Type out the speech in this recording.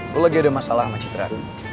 lo lagi ada masalah sama citra